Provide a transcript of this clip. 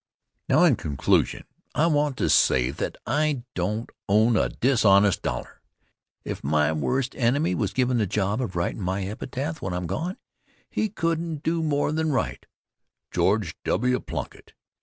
Now, in conclusion, I want to say that I don't own a dishonest dollar. If my worst enemy was given the job of writin' my epitaph when I'm gone, he couldn't do more than write: "George W. Plunkitt.